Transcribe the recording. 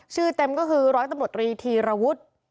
ชื่อเต็มก็คือร้อยตำรวจรีธีรวท